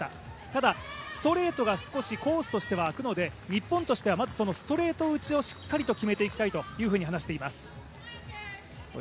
ただ、ストレートが少しコースとしては空くので日本としてはまずそのストレート打ちをしっかりと決めていきたいと話しています。